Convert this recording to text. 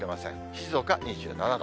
静岡２７度。